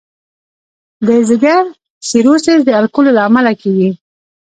د ځګر سیروسس د الکولو له امله کېږي.